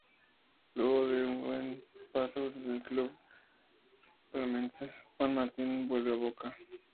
Luego de su buen paso en el club marplatense, Juan Martín vuelve a Boca.